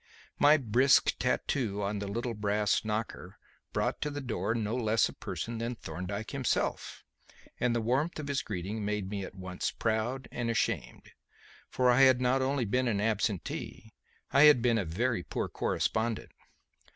My brisk tattoo on the little brass knocker brought to the door no less a person than Thorndyke himself; and the warmth of his greeting made me at once proud and ashamed. For I had not only been an absentee; I had been a very poor correspondent.